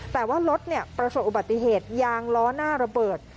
แต่ว่ารถประสบอุบัติเหตุยางล้อหน้าระเบิด